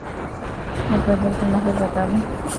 El proyecto no fue tratado.